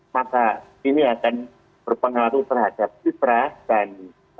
maka ini akan berpengaruh terhadap citra dan